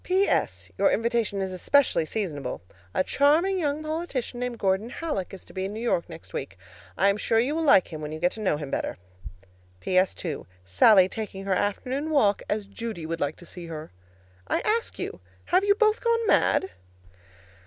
P.S. Your invitation is especially seasonable. A charming young politician named Gordon Hallock is to be in New York next week. I am sure you will like him when you know him better. P.S. 2. Sallie taking her afternoon walk as Judy would like to see her: I ask you again, have you both gone mad?